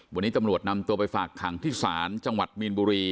วันนี้ตำรวจนำตัวไปฝากขังที่ศาลจังหวัดมีนบุรี